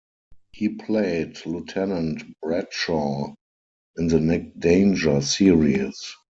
He played Lieutenant Bradshaw in the Nick Danger series.